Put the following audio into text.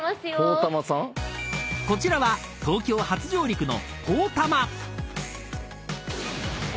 ［こちらは東京初上陸の］